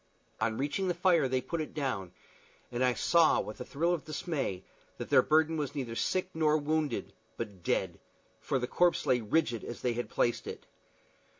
On reaching the fire they put it down, and I saw, with a thrill of dismay, that their burden was neither sick nor wounded, but dead, for the corpse lay rigid as they had placed it.